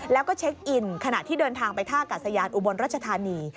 แล้วก็เช็คอินขณะที่เดินทางไปท่ากาศยานอุบลรัชธานี